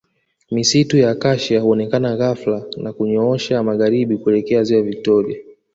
Misitu ya Acacia huonekana ghafla na kunyoosha magharibi kuelekea ziwa Victoria